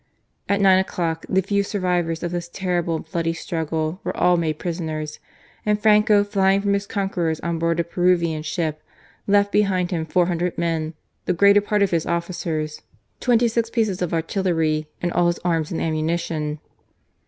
At nine o'clock the few survivors of this terrible and bloody struggle were all made prisoners, and Franco flying from his conquerors on board a Peruvian ship left behind him four hundred men, the greater part of his officers, twenty six pieces of artillery and all his I02 GARCIA MORENO. arms and ammunition.